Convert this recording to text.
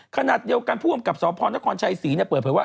ขนาดเดียวกันผู้อำกับสพชศเปิดเผยว่า